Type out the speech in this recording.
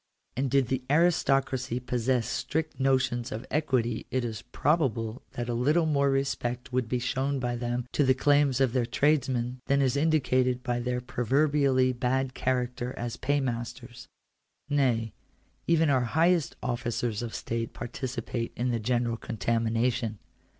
And did the aristocracy possess strict notions of equity it is probable that a little more respect would be shown by them to the claims of their tradesmen, than is indicated by their proverbially bad character as paymasters. Nay, even our highest officers of state participate in the general contamination.